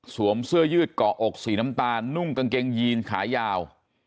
เสื้อยืดเกาะอกสีน้ำตาลนุ่งกางเกงยีนขายาว